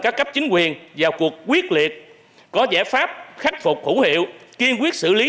các cấp chính quyền vào cuộc quyết liệt có giải pháp khắc phục hữu hiệu kiên quyết xử lý